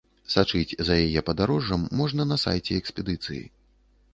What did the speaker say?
Сачыць за яе падарожжам можна на сайце экспедыцыі.